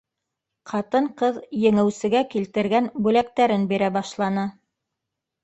Ҡатын-ҡыҙ еңеүсегә килтергән бүләктәрен бирә башланы.